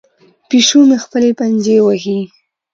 پیشو مې خپلې پنجې وهي.